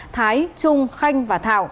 thái trung khanh và thảo